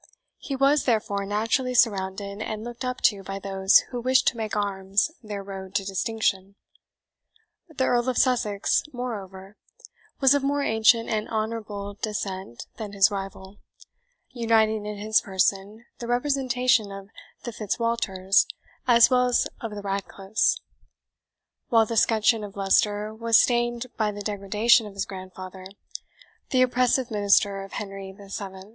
He was, therefore, naturally surrounded and looked up to by those who wished to make arms their road to distinction. The Earl of Sussex, moreover, was of more ancient and honourable descent than his rival, uniting in his person the representation of the Fitz Walters, as well as of the Ratcliffes; while the scutcheon of Leicester was stained by the degradation of his grandfather, the oppressive minister of Henry VII.